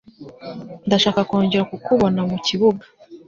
Ndashaka kongera kukubona mu kibuuga.